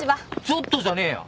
ちょっとじゃねえよ。